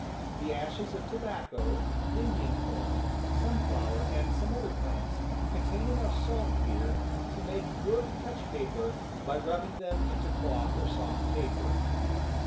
The ashes of tobacco, Indian corn, sun flower, and some other plants, contain enough saltpeter to make good touch paper by rubbing them into cloth or soft paper.